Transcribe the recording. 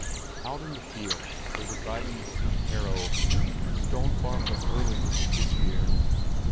Out in the fields they were driving the seed harrow; Stone Farm was early with it this year.